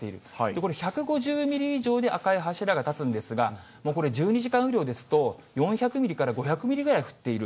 これ、１５０ミリ以上で赤い柱が立つんですが、もうこれ１２時間雨量ですと、４００ミリから５００ミリぐらい降っている。